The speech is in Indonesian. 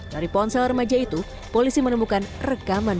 dari ponsel remaja itu polisi menemukan rekaman